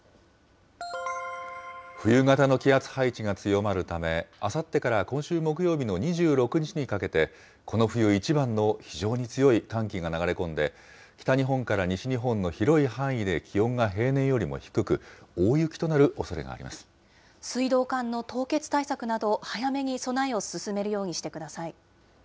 冬型の気圧配置が強まるため、あさってから今週木曜日の２６日にかけて、この冬一番の非常に強い寒気が流れ込んで、北日本から西日本の広い範囲で気温が平年よりも低く、大雪となる水道管の凍結対策など、早めに備えを進めるようにしてください。